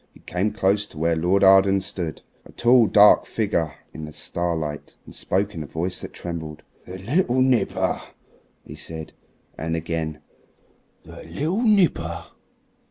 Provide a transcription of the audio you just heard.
He came close to where Lord Arden stood a tall, dark figure in the starlight and spoke in a voice that trembled. "The little nipper," he said; and again, "the little nipper.